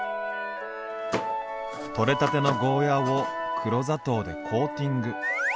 取れたてのゴーヤーを黒砂糖でコーティング。